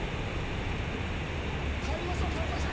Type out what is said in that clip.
帰りましょう、帰りましょう。